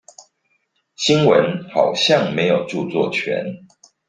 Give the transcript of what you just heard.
新聞好像沒有著作權